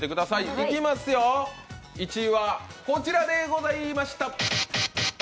いきますよ、１位はこちらでございました！